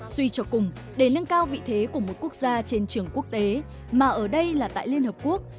suy cho cùng để nâng cao vị thế của một quốc gia trên trường quốc tế mà ở đây là tại liên hợp quốc